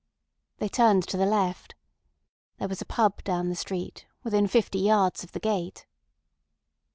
They turned to the left. There was a pub down the street, within fifty yards of the gate.